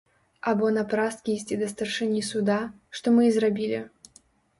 Або напрасткі ісці да старшыні суда, што мы і зрабілі.